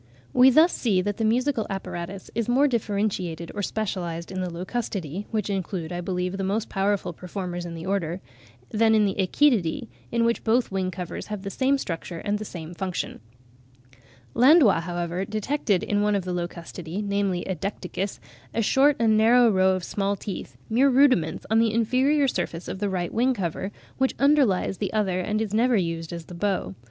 We thus see that the musical apparatus is more differentiated or specialised in the Locustidae (which include, I believe, the most powerful performers in the Order), than in the Achetidae, in which both wing covers have the same structure and the same function. (38. Landois, 'Zeitschrift für wissenschaft. Zoolog.' B. xvii. 1867, ss. 121, 122.) Landois, however, detected in one of the Locustidae, namely in Decticus, a short and narrow row of small teeth, mere rudiments, on the inferior surface of the right wing cover, which underlies the other and is never used as the bow.